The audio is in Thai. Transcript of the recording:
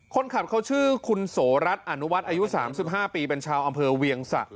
คนขับเขาชื่อคุณโสรัสอนุวัฒน์อายุ๓๕ปีเป็นชาวอำเภอเวียงสะ